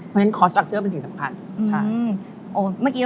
อย่างนี้ค่ะ